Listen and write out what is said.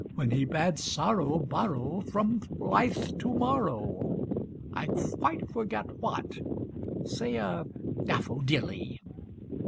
When he bade sorrow borrow from blithe to morrow I quite forget what say a daffodilly.